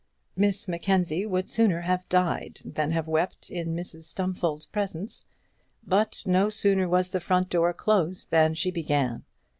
Miss Mackenzie would sooner have died than have wept in Mrs Stumfold's presence, but no sooner was the front door closed than she began.